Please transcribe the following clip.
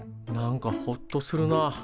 何かほっとするな。